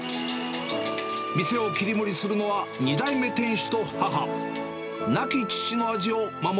店を切り盛りするのは２代目店主と母。